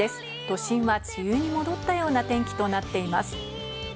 都心は梅雨に戻ったような天気となっています。